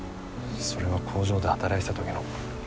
それは工場で働いてた時の。